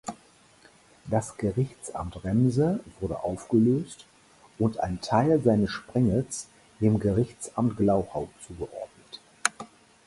Das Gerichtsamt Remse wurde aufgelöst und ein Teil seines Sprengels dem Gerichtsamt Glauchau zugeordnet.